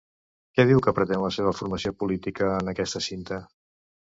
Què diu que pretén la seva formació política en aquesta cinta?